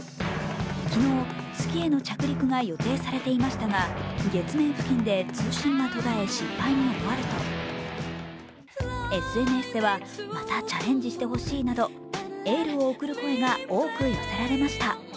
昨日、月への着陸が予定されていましたが、月面付近で通信が途絶え、失敗に終わるとＳＮＳでは、エールを送る声が多く寄せられました。